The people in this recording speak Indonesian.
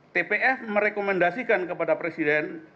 tpf merekomendasikan kepada presiden